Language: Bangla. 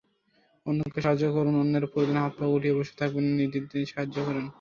অন্যকে সাহায্য করুনঅন্যের প্রয়োজনে হাত-পা গুটিয়ে বসে থাকবেন না, নির্দ্বিধায় সাহায্য করুন।